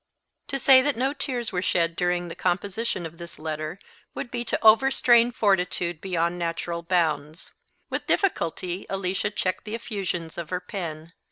To say that no tears were shed during the composition of this letter would be to overstrain fortitude beyond natural bounds. With difficulty Alicia checked the effusions of her pen.